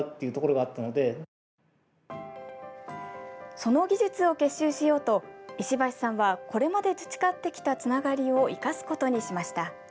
その技術を結集しようと石橋さんはこれまで培ってきたつながりを生かすことにしました。